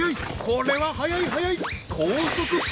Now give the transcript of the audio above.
これは速い速い！